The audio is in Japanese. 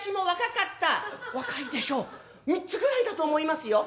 「若いでしょう３つぐらいだと思いますよ」。